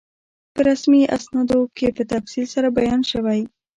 په رسمي اسنادو کې په تفصیل سره بیان شوی.